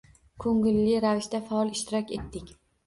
Koʻngilli ravishda faol ishtirok etdik